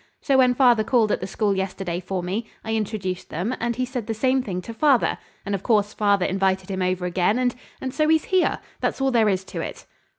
So when father called at the school yesterday for me, I introduced them, and he said the same thing to father, and of course father invited him over again, and and so he's here. That's all there is to it."